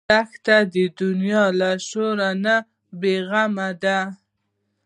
دښته د دنیا له شور نه بېغمه ده.